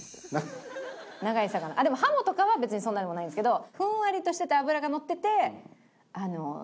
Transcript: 長い魚でもハモとかは別にそんなでもないんですけど。